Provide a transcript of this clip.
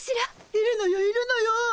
いるのよいるのよ。